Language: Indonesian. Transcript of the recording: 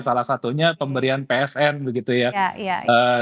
salah satunya pemberian psn begitu ya